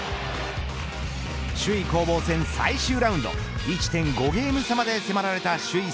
首位攻防戦最終ラウンド１．５ゲーム差まで迫られた首位